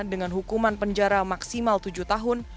dengan hukuman penjara maksimal tujuh tahun